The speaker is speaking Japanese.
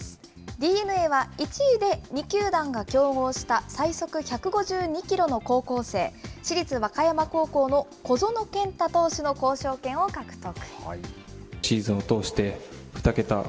ＤｅＮＡは１位で２球団が競合した最速１５２キロの高校生、市立和歌山高校の小園健太投手の交渉権を獲得。